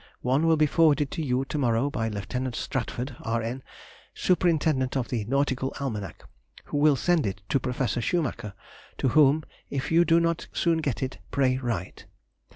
One will be forwarded to you to morrow by Lieut. Stratford, R.N., superintendent of the "Nautical Almanac," who will send it to Prof. Schumacher, to whom, if you do not soon get it, pray write.